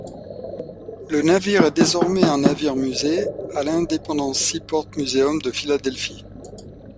Le navire est désormais un navire musée à l'Independence Seaport Museum de Philadelphie.